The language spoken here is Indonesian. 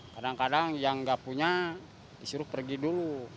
kadang kadang yang nggak punya disuruh pergi dulu